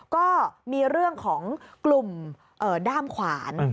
ก็มีเรื่องของกลุ่มด้ามขวาน